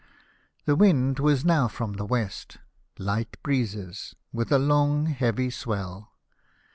The wind was now from the west — light breezes, with a long heavy swell.